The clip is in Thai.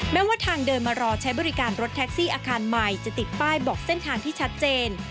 แม้ว่าทางเดินมารอใช้บริการรถแท็กซี่อาคารใหม่จะติดป้ายบอกเส้นทางที่ชัดเจน